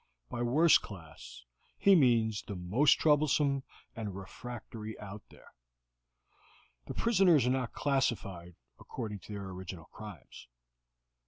By worse class he means the most troublesome and refractory out there. The prisoners are not classified according to their original crimes.